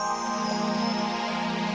jangan sampai ilang ya